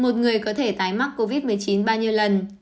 một người có thể tái mắc covid một mươi chín bao nhiêu lần